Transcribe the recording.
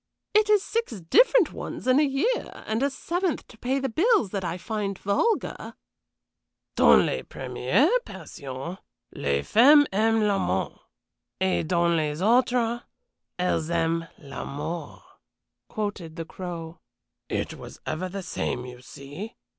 It is six different ones in a year, and a seventh to pay the bills, that I find vulgar." "Dans les premières passions, les femmes aiment l'amant; et dans les autres, elles aiment l'amour," quoted the Crow. "It was ever the same, you see.